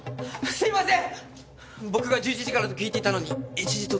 すいません！